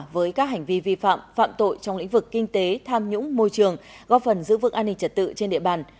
với các hành vi vi phạm phạm tội trong lĩnh vực kinh tế tham nhũng môi trường góp phần giữ vững an ninh trật tự trên địa bàn